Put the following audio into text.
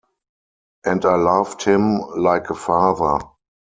And I loved him like a father.